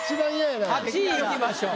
８位いきましょう。